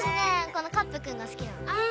このカッペくんが好きなの。